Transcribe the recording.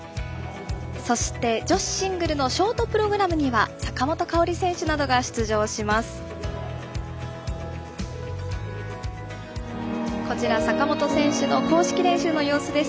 そして、女子シングルのショートプログラムには坂本花織選手などが出場します。